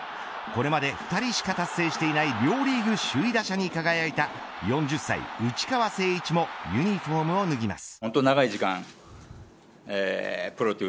これまで２人しか達成していない両リーグ首位打者に輝いた４０歳、内川聖一もユニホームを脱ぎます。